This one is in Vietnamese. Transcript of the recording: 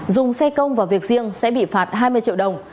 dùng xe công và việc riêng sẽ bị phạt hai mươi triệu đồng